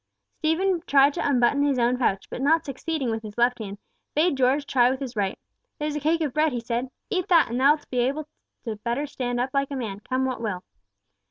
Stephen tried to unbutton his own pouch, but not succeeding with his left hand, bade George try with his right. "There's a cake of bread there," he said. "Eat that, and thou'lt be able better to stand up like a man, come what will."